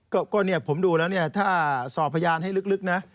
ก็เนี่ยผมดูแล้วเนี่ยถ้าสอบพยานให้ลึกนะ